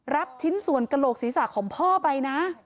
ชิ้นส่วนกระโหลกศีรษะของพ่อไปนะ